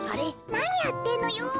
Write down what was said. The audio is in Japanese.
なにやってんのよ。